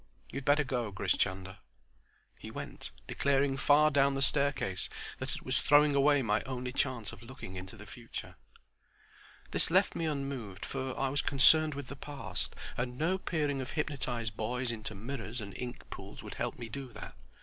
You'd better go, Grish Chunder." He went, declaring far down the staircase that it was throwing away my only chance of looking into the future. This left me unmoved, for I was concerned for the past, and no peering of hypnotized boys into mirrors and ink pools would help me do that.